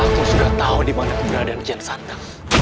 aku sudah tahu dimana keberadaan kian santa